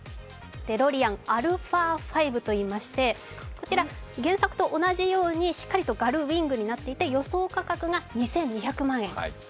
デロリアンアルファ５といいまして、原作と同じくしっかりとガルウィングになっていて予想価格が２２００万円。